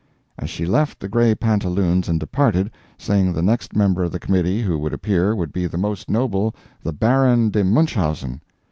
And she left the gray pantaloons and departed, saying the next member of the Committee who would appear would be the most noble the Baron de Munchausen.